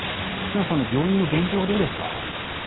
忽那さんの病院の現状はどうですか？